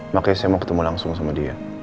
makanya saya mau ketemu langsung sama dia